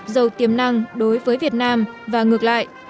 giàu tiềm năng đối với việt nam và ngược lại